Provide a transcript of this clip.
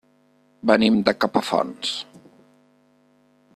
Venim de Capafonts.